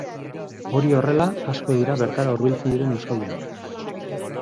Hori horrela, asko dira bertara hurbiltzen diren euskaldunak.